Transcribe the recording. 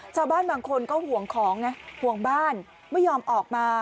ชาวบ้านบางคนก็ห่วงของไงห่วงบ้านไม่ยอมออกมา